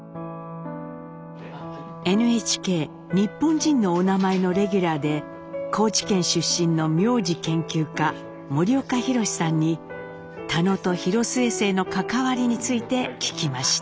ＮＨＫ「日本人のおなまえっ！」のレギュラーで高知県出身の名字研究家森岡浩さんに田野と広末姓の関わりについて聞きました。